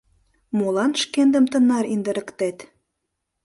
Молан шкендым тынар индырыктет?»